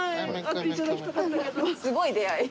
すごい出会い。